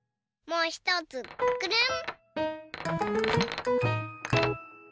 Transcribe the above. もうひとつくるん！